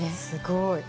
すごい。